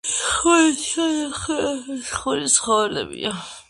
ხმელეთის ან ნახევრად მეხეური ცხოველებია.